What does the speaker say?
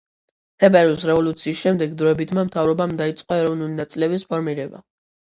თებერვლის რევოლუციის შემდეგ დროებითმა მთავრობამ დაიწყო ეროვნული ნაწილების ფორმირება.